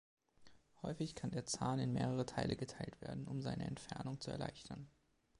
Häufig kann der Zahn in mehrere Teile geteilt werden, um seine Entfernung zu erleichtern.